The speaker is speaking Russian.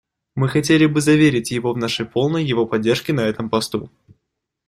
Мы хотели бы заверить его в нашей полной его поддержке на этом посту.